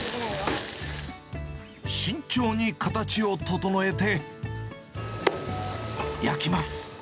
慎重に形を整えて、焼きます。